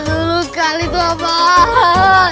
lu dulu kali itu apaan